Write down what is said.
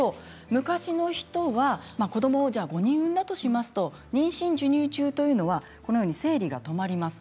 昔の人は子どもを５人産んだとしますと妊娠、授乳中というのは生理が止まります。